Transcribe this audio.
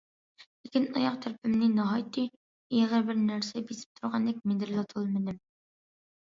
لېكىن ئاياغ تەرىپىمنى ناھايىتى ئېغىر بىر نەرسە بېسىپ تۇرغاندەك مىدىرلىتالمىدىم.